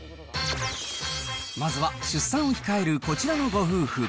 まずは出産を控えるこちらのご夫婦。